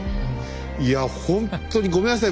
いやほんとにごめんなさい。